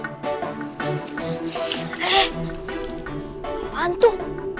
hei apaan tuh